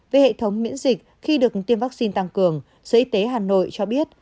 về hệ thống miễn dịch khi được tiêm vaccine tăng cường sở y tế hà nội cho biết